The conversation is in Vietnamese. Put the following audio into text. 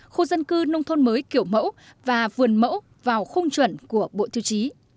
khu dân cư nông thôn mới kiểu mẫu và vườn mẫu vào khung chuẩn của bộ tiêu chí